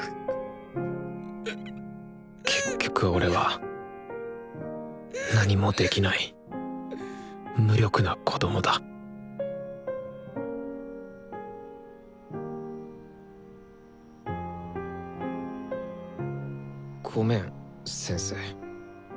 結局俺は何もできない無力な子供だごめん先生。